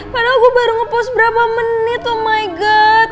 padahal gue baru ngepost berapa menit oh my god